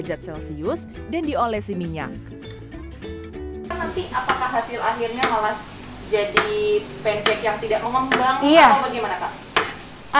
nanti apakah hasil akhirnya malah jadi pancake yang tidak mengembang atau bagaimana kak